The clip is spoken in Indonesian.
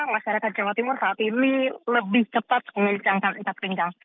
masyarakat jawa timur saat ini lebih cepat mengencangkan ikat pinggang